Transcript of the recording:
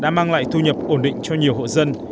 đã mang lại thu nhập ổn định cho nhiều hộ dân